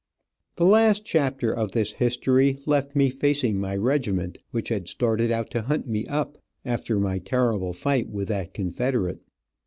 The last chapter of this history left me facing my regiment, which had started out to hunt me up, after my terrible fight with that Confederate.